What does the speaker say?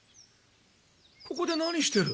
ここで何してる？